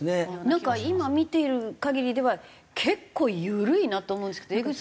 なんか今見ている限りでは結構緩いなと思うんですけど江口